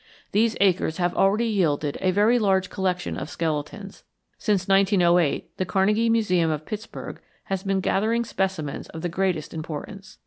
These acres have already yielded a very large collection of skeletons. Since 1908 the Carnegie Museum of Pittsburgh has been gathering specimens of the greatest importance.